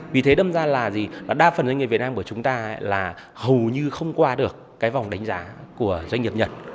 vì thế đâm ra là gì đa phần doanh nghiệp việt nam của chúng ta là hầu như không qua được cái vòng đánh giá của doanh nghiệp nhật